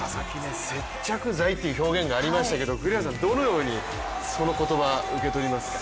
接着剤という表現がありましたけど、栗原さん、どのようにその言葉、受け取りますか。